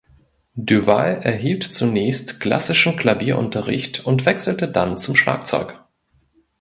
Duval erhielt zunächst klassischen Klavierunterricht und wechselte dann zum Schlagzeug.